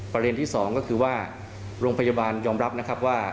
ปเลนที่๒คือว่าโรงพยาบาลยอมรับว่า